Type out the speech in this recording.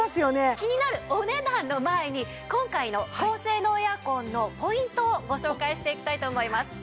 気になるお値段の前に今回の高性能エアコンのポイントをご紹介していきたいと思います。